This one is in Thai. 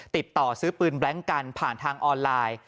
ติดต่อซื้อปืนแบล็งกันผ่านทางออนไลน์